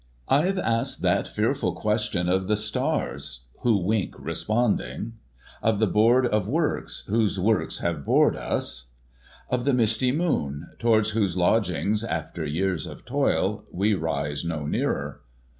— I've asked that fearful question of the stars, * Who wink responding — of the Board of Works, Whose works have bored us — of the misty moon, Towards whose lodgings, after years of toil, We rise no nearer.